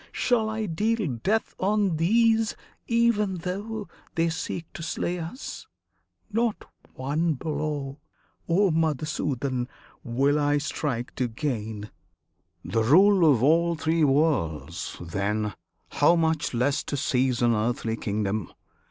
Shall I deal death on these Even though they seek to slay us? Not one blow, O Madhusudan! will I strike to gain The rule of all Three Worlds; then, how much less To seize an earthly kingdom!